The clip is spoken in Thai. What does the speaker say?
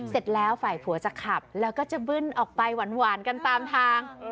เสร็จแล้วฝ่ายผัวจะขับแล้วก็จะบึ้นออกไปหวานกันตามทาง